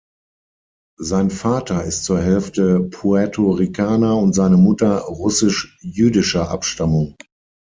Sein Vater ist zur Hälfte Puerto-Ricaner und seine Mutter russisch-jüdischer Abstammung.